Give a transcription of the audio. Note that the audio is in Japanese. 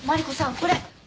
これ。